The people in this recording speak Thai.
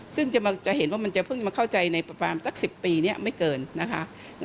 ซึ่งจะเห็นว่ามันจะเพิ่งมาเข้าใจในประมาณสัก๑๐ปีนี้ไม่เกินนะคะ